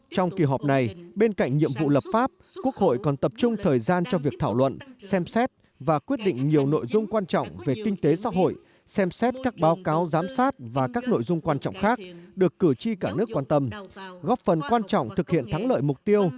trong kỳ họp này bên cạnh nhiệm vụ lập pháp quốc hội còn tập trung thời gian cho việc thảo luận xem xét và quyết định nhiều nội dung quan trọng về kinh tế xã hội xem xét các báo cáo giám sát và các nội dung quan trọng khác được cử tri cả nước quan tâm góp phần quan trọng thực hiện thắng lợi mục tiêu